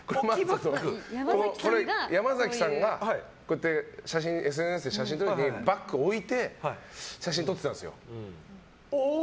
山崎さんがこうやってＳＮＳで写真を撮る時にバッグを置いて写真を撮ってたんですよ。